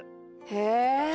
へえ。